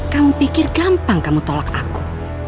kamu pikir gampang kamu tolak aku